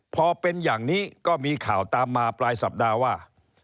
พอเป็นอย่างนี้ก็มีข่าวตามมาปลายสัปดาห์ว่า